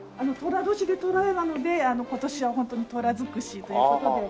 寅年で「とらや」なので今年は本当にトラ尽くしという事で。